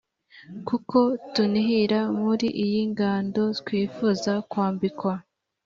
kuko tunihira muri iyi ngando twifuza kwambikwa